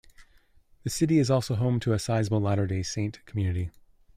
The city is also home to a sizable Latter-day Saint community.